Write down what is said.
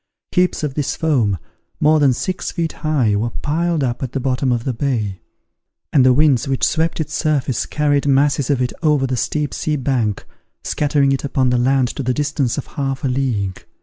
Heaps of this foam, more than six feet high, were piled up at the bottom of the bay; and the winds which swept its surface carried masses of it over the steep sea bank, scattering it upon the land to the distance of half a league.